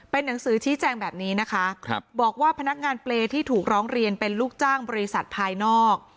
เป็นหนังสือชี้แจงแบบนี้นะคะบอกว่าพนักงานเปรย์ที่ถูกร้องเรียนเป็นลูกจ้างบริษัทภายนอก